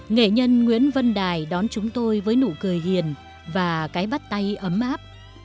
nghệ nhân nguyễn văn đài đón chúng tôi với nụ cười hiền và cái bắt tay ấm áp